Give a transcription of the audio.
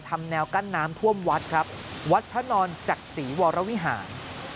แนวกั้นน้ำท่วมวัดครับวัดพระนอนจักษีวรวิหาร